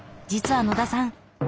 実は野田さん